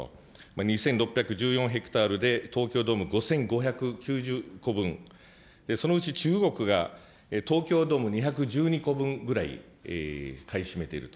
２６１４ヘクタールで東京ドーム５５９０個分、そのうち中国が東京ドーム２１２個分ぐらい買い占めていると。